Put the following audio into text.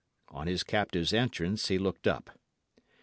On his captive's entrance he looked up.